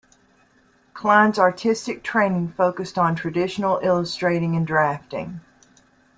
Kline's artistic training focused on traditional illustrating and drafting.